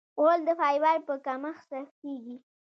غول د فایبر په کمښت سختېږي.